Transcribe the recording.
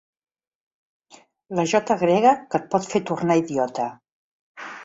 La jota grega que et pot fer tornar idiota.